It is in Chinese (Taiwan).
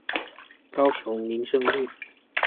高雄民生路